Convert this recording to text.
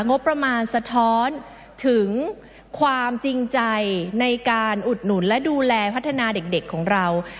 งบประมาณสะท้อนถึงความจริงใจในการอุดหนุนและดูแลพัฒนาเด็กของเรา